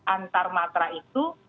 antar matra itu